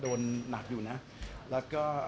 นั่นคนเดียวครับ